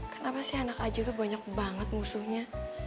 kenapa sih anak aj tuh banyak banget musuhnya